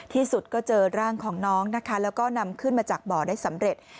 ที่สุดก็เจอร่างของน้องนะคะแล้วก็นำขึ้นมาจากบ่อได้สำเร็จ